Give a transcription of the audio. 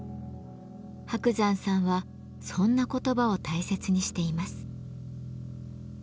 伯山さんはそんな言葉を大切にしています。